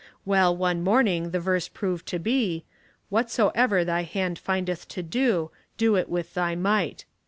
Well, one morning the verse proved to be, ' Whatsoev er thy hand findeth to do, do it with thy might.'